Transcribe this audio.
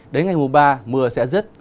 đến ngày mùng ba mưa sẽ dứt